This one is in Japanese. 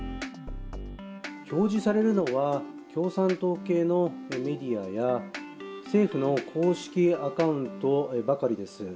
表示されるのは共産党系のメディアや政府の公式アカウントばかりです。